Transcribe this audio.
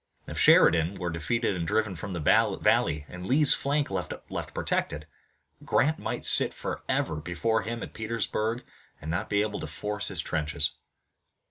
If Sheridan were defeated and driven from the valley, and Lee's flank left protected, Grant might sit forever before him at Petersburg and not be able to force his trenches.